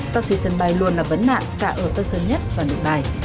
taxi sân bay luôn là vấn nạn cả ở tân sơn nhất và nội bài